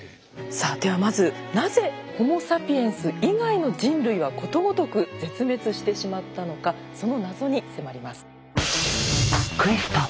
さあではまずなぜホモ・サピエンス以外の人類はことごとく絶滅してしまったのかその謎に迫ります。